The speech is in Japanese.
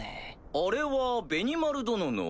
あれはベニマル殿の。